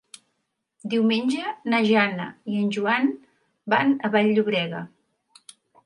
Diumenge na Jana i en Joan van a Vall-llobrega.